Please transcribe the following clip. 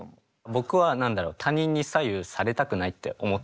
僕は何だろう他人に左右されたくないって思ってんよ。